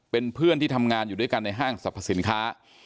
เป็นเพื่อนที่ทำงานอยู่ด้วยกันในห้างสรรพสินค้า